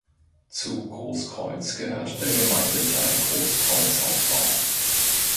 Zu Groß Kreutz gehört der Gemeindeteil Groß Kreutz Ausbau.